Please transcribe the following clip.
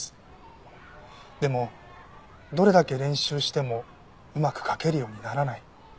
でもどれだけ練習してもうまく書けるようにならない。